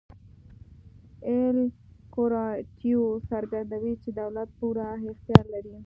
اېل کورالیټو څرګندوي چې دولت پوره اختیار لري.